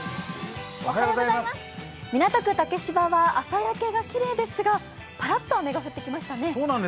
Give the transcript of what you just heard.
港区竹芝は朝焼けがきれいですが、パラッと雨が降ってきましたね。